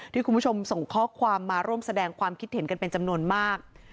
คุณผู้ชมส่งข้อความมาร่วมแสดงความคิดเห็นกันเป็นจำนวนมาก